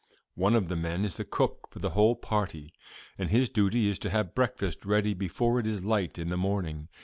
One of the men is the cook for the whole party, and his duty is to have breakfast ready before it is light in the morning.